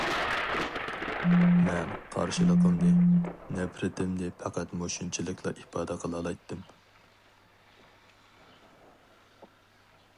مەن قارشىلىقىمنى، نەپرىتىمنى پەقەت مۇشۇنچىلىكلا ئىپادە قىلالايتتىم.